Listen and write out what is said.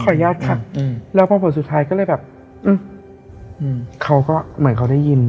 ขออนุญาตค่ะอืมแล้วพอผ่านสุดท้ายก็เลยแบบอืมอืมเขาก็เหมือนเขาได้ยิน